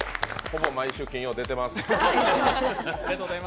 ほぼ毎週金曜、出てます。